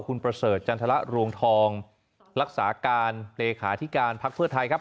คุณประเสริฐจันทรรวงทองรักษาการเลขาธิการพักเพื่อไทยครับ